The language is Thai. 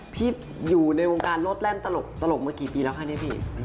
พี่อยู่ในวงการโลศแร่มตลกตลกเมื่อกี่ปีแล้วคะเนี่ยพี่